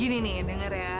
gini nih denger ya